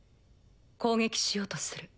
攻撃しようとする。